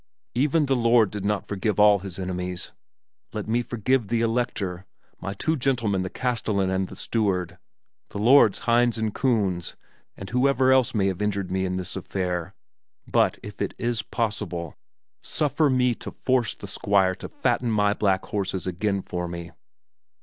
"Even the Lord did not forgive all his enemies. Let me forgive the Elector, my two gentlemen the castellan and the steward, the lords Hinz and Kunz, and whoever else may have injured me in this affair; but, if it is possible, suffer me to force the Squire to fatten my black horses again for me."